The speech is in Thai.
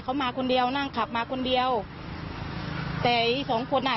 เขามาคนเดียวนั่งขับมาคนเดียวแต่อีกสองคนอ่ะ